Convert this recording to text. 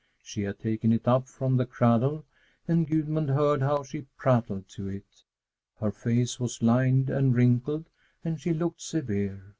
She had taken it up from the cradle, and Gudmund heard how she prattled to it. Her face was lined and wrinkled and she looked severe.